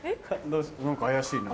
何か怪しいな。